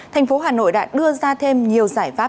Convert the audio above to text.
thành phố hà nội đã đưa ra thêm nhiều giải pháp